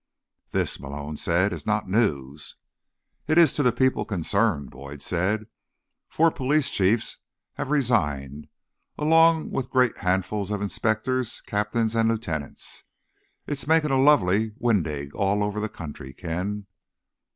"This," Malone said, "is not news." "It is to the people concerned," Boyd said. "Four police chiefs have resigned, along with great handfuls of inspectors, captains and lieutenants. It's making a lovely wingding all over the country, Ken."